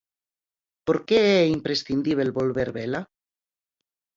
Por que é imprescindíbel volver vela?